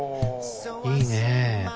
いいね。